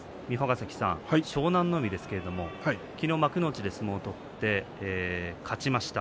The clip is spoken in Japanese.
湘南乃海ですけれども昨日、幕内で相撲を取って勝ちました。